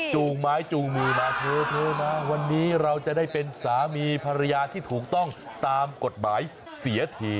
จูงไม้จูงมือมาเธอมาวันนี้เราจะได้เป็นสามีภรรยาที่ถูกต้องตามกฎหมายเสียที